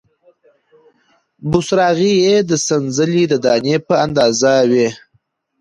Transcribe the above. بوسراغې یې د سنځلې د دانې په اندازه وې،